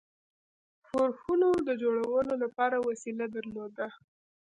ښورښونو د جوړولو لپاره وسیله درلوده.